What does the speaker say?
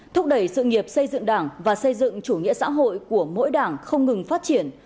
thúc đẩy sự nghiệp xây dựng đảng và xây dựng chủ nghĩa xã hội của mỗi đảng không ngừng phát triển